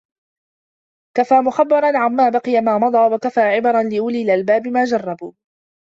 كَفَى مُخَبِّرًا عَمَّا بَقِيَ مَا مَضَى وَكَفَى عِبَرًا لِأُولِي الْأَلْبَابِ مَا جَرَّبُوا